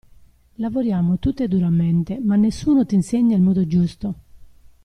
Lavoriamo tutte duramente, ma nessuno ti insegna il modo giusto.